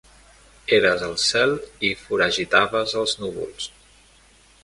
Eres el cel i foragitaves els núvols.